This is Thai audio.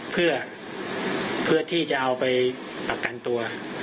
เพื่อที่จะเอาไปประกันตัว